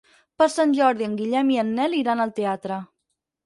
Per Sant Jordi en Guillem i en Nel iran al teatre.